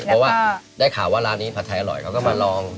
เพราะว่าได้ข่าวว่าร้านนี้ผัดไทยอร่อยเขาก็มาลอง